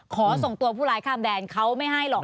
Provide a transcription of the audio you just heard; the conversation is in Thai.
ขอส่งตัวผู้ร้ายข้ามแดนเขาไม่ให้หรอก